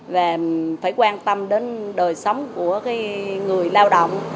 và phải quan tâm đến đời sống của người lao động